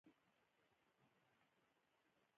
امیر په جګړو کې لګیا وو.